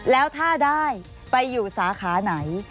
แล้วถ้าได้ไปอยู่สาขาไหน